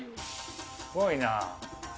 すごいな。